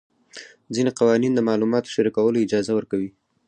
ځینې قوانین د معلوماتو شریکولو اجازه ورکوي.